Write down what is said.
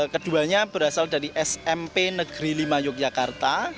keduanya berasal dari smp negeri lima yogyakarta